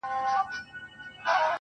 ټول بکواسیات دي.